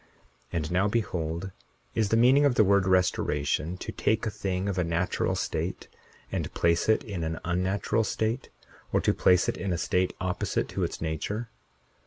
41:12 And now behold, is the meaning of the word restoration to take a thing of a natural state and place it in an unnatural state, or to place it in a state opposite to its nature?